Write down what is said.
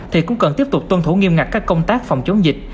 thì cũng cần tiếp tục tuân thủ nghiêm ngặt các công tác phòng chống dịch